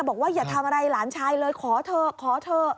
บอกว่าอย่าทำอะไรหลานชายเลยขอเถอะขอเถอะ